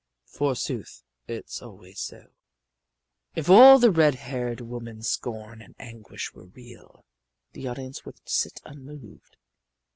Forsooth, it's always so. If all the red haired woman's scorn and anguish were real, the audience would sit unmoved.